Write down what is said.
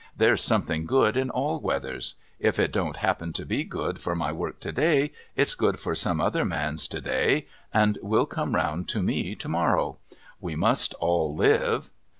There's something good in all weathers. If it don't happen to be good for my work to day, it's good for some other man's to day, and will come round to me to morrow. We must all live.'